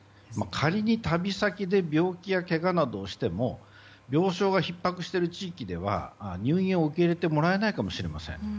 仮に、旅先で病気やけがなどをしても病床がひっ迫している地域では入院を受け入れてもらえないかもしれない。